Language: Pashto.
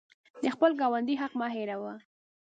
د خپل ګاونډي حق مه هیروه.